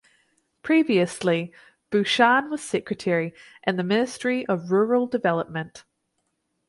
Previously Bhushan was Secretary in the Ministry of Rural Development.